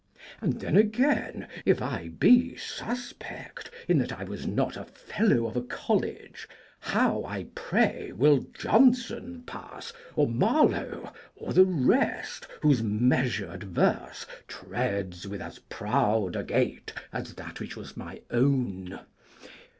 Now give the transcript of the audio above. And then again, If I be suspect, in that I was not A fellow of a college, how, I pray, Will Jonson pass, or Marlowe, or the rest, Whose measured verse treads with as proud a gait As that which was my own?